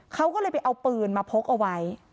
เขาก็เลยไปเอาปืนมาพกเอาไว้